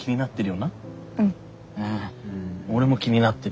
ああ俺も気になってる。